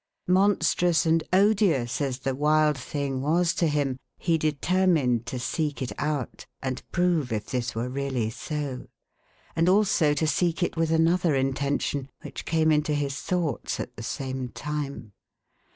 Monstrous and odious as the wild thing was to him, he determined to seek it out, and prove if this were really so ; and also to seek it with another intention, which came into his thoughts at the same time.